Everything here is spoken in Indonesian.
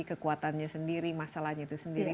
kekuatannya sendiri masalahnya itu sendiri